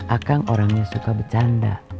akang orangnya suka bercanda